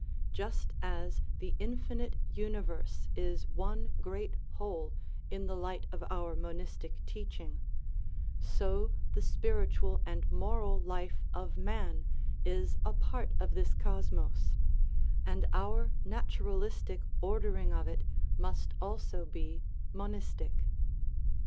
Just as the infinite uni verse is one great whole in the light of our monistic teaching, so the spiritual and moral life of man is a part of this cosmos, and our naturalistic ordering of it must also be monistic.